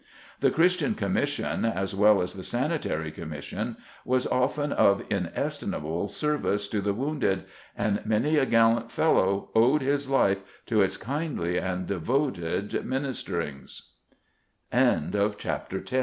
The Christian Commission, as well as the Sanitary Commission, was often of inestimable service to the wounded, and many a gallant fellow owed his life to its kindly and devoted mini